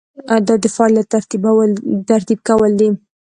دا د فعالیتونو ترتیب کول دي.